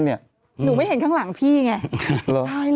หนูไม่เห็นข้างหลังพี่ไง